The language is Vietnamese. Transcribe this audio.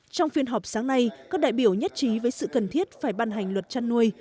trong phiên họp sáng nay các đại biểu nhất trí với sự cần thiết phải ban hành luật chăn nuôi